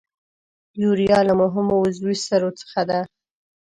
یوریا له مهمو عضوي سرو څخه ده.